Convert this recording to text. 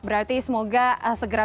berarti semoga segera